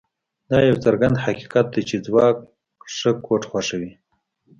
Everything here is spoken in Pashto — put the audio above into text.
دا یو څرګند حقیقت دی چې ځواک ښه کوډ خوښوي